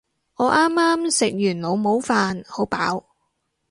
我啱啱食完老母飯，好飽